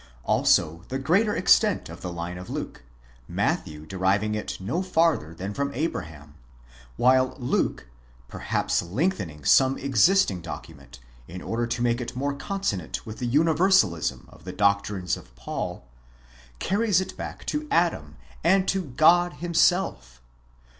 Also the greater extent of the line of Luke; Matthew deriving it no further than from Abraham, while Luke (perhaps lengthening some existing document in order to make it more consonant with the universalism of the doctrines of Paul)? carries it back to Adam and to God himself.